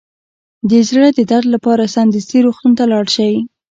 د زړه د درد لپاره سمدستي روغتون ته لاړ شئ